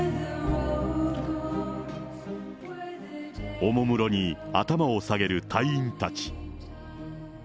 おもむろに頭を下げる隊員たち。